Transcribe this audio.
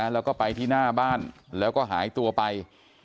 แล้วก็ไปที่หน้าบ้านแล้วก็หายตัวไป